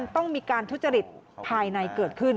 ต้องมีการทุจริตภายในเกิดขึ้น